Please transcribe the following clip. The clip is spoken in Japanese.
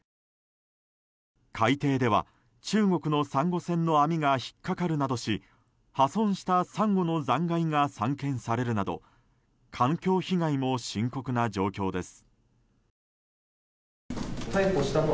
海底では、中国のサンゴ船の網が引っかかるなどし破損したサンゴの残骸が散見されるなど環境被害も深刻な状況です。